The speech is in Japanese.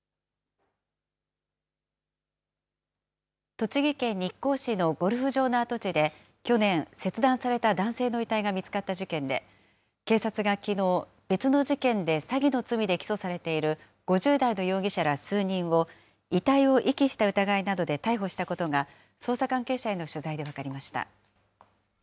栃木県日光市のゴルフ場の跡地で、去年、切断された男性の遺体が見つかった事件で、警察がきのう、別の事件で詐欺の罪で起訴されている５０代の容疑者ら数人を、遺体を遺棄した疑いなどで逮捕したことが、捜査関係者への取材で分かりました。